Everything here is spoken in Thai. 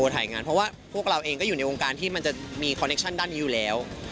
ถึงมันจะมีคอลเนคชั่นด้านนี้อยู่แล้ว